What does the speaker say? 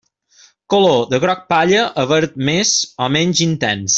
Color: de groc palla a verd més o menys intens.